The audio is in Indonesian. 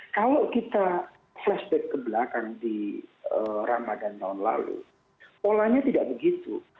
kalau kita flashback ke belakang di ramadan tahun lalu polanya tidak begitu